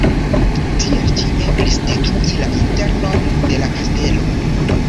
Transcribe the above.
Tiel ĉi eblis detrui la internon de la kastelo.